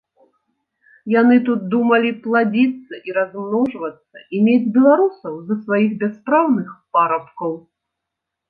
Яны тут думалі пладзіцца і размножвацца і мець беларусаў за сваіх бяспраўных парабкаў.